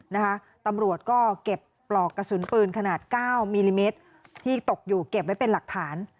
นะคะตำรวจก็เก็บปลอกกระสุนปืนขนาดเก้ามิลลิเมตรที่ตกอยู่เก็บไว้เป็นหลักฐาน